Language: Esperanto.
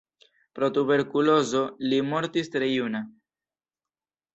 Pro tuberkulozo li mortis tre juna.